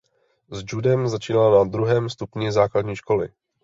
S judem začínala na druhém stupni základní školy.